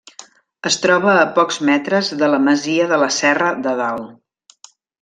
Es troba a pocs metres de la masia de la Serra de Dalt.